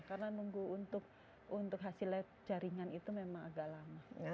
karena menunggu untuk hasil jaringan itu memang agak lama